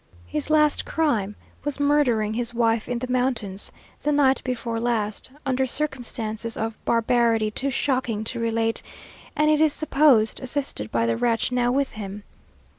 His last crime was murdering his wife in the mountains, the night before last, under circumstances of barbarity too shocking to relate, and it is supposed, assisted by the wretch now with him.